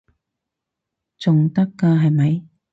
仲得㗎係咪？